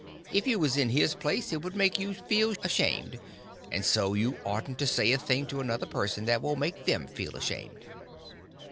If you was in his place it would make you feel ashamed; and so you oughtn't to say a thing to another person that will make them feel ashamed."